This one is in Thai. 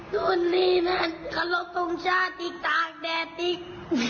ทุนนี้นั้นขอรบตรงชาติตากแดดอีก